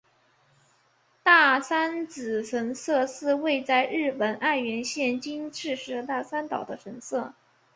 大山只神社是位在日本爱媛县今治市大三岛的神社。